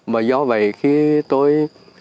mà do vậy khi tôi